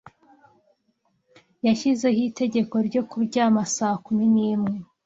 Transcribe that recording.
Yashyizeho itegeko ryo kuryama saa kumi n'imwe.